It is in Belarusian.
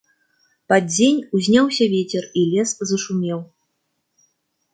Пад дзень узняўся вецер, і лес зашумеў.